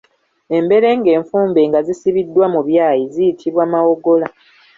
Emberenge enfumbe nga zisibiddwa mu byayi ziyitibwa mawogola.